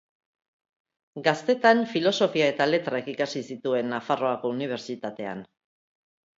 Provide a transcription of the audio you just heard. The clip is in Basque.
Gaztetan Filosofia eta Letrak ikasi zituen Nafarroako Unibertsitatean.